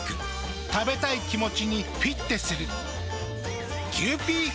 食べたい気持ちにフィッテする。